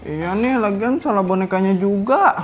iya nih lagian salah bonekanya juga